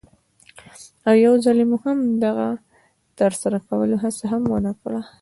او یوځلې مو هم د هغه د ترسره کولو هڅه هم ونه کړه.